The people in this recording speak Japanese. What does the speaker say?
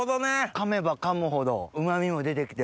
噛めば噛むほどうま味も出て来て。